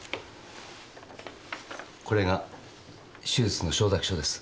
これが手術の承諾書です。